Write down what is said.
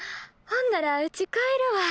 ほんならうち帰るわ。